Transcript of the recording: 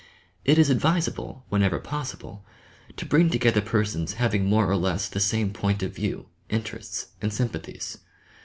It is advisable, whenever possible, to bring together persons having more or less the same point of view, interests and sympathies.